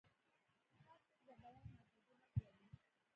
هرڅوک د بیان ازادۍ حق لري.